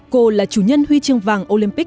cô là chủ nhân huy trường vàng olympic